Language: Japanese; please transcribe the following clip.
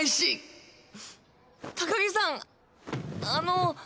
あの。